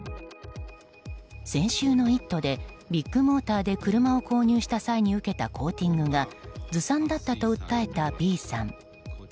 先週の「イット！」でビッグモーターで車を購入した際に受けたコーティングがずさんだったと訴えたＢさん。